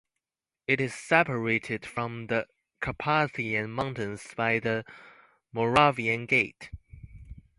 It is separated from the Carpathian Mountains by the Moravian Gate.